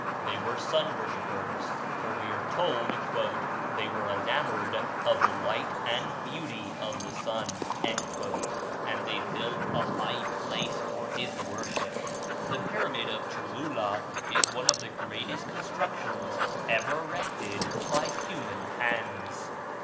They were sun worshippers; for we are told "they were enamored of the light and beauty of the sun," and they built a high place for his worship. The pyramid of Cholula is one of the greatest constructions ever erected by human hands.